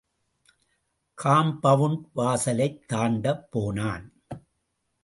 Compound வாசலைத் தாண்டப் போனான்.